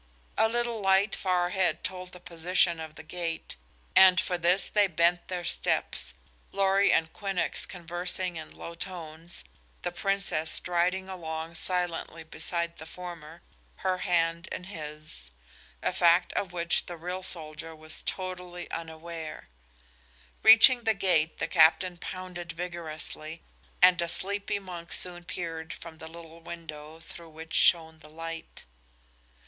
A little light far ahead told the position of the gate, and for this they bent their steps, Lorry and Quinnox conversing in low tones, the Princess striding along silently beside the former, her hand in his a fact of which the real soldier was totally unaware. Reaching the gate, the captain pounded vigorously, and a sleepy monk soon peered from the little window through which shone the light.